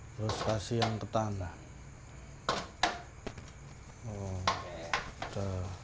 terus kasih yang ketan lah